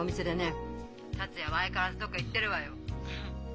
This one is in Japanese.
☎達也は相変わらずどっか行ってるわよ。